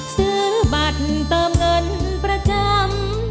ซื้อบัตรเติมเงินประจำ